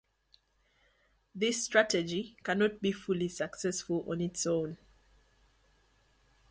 This strategy cannot be fully successful on its own.